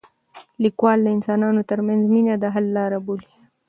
لیکوال د انسانانو ترمنځ مینه د حل لاره بولي.